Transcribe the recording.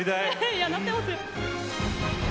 いやなってますよ。